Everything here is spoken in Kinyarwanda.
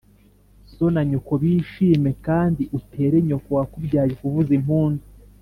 so na nyoko bishime, kandi utere nyoko wakubyaye kuvuza impundu